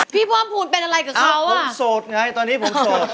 พี่พร้อมพูนเป็นอะไรกับเขาอะอ่ะผมสดไงตอนนี้ผมสด